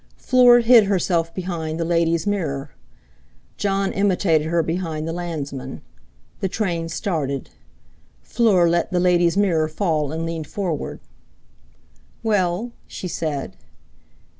Fleur hid herself behind "The Lady's Mirror." Jon imitated her behind "The Landsman." The train started. Fleur let "The Lady's Mirror" fall and leaned forward. "Well?" she said.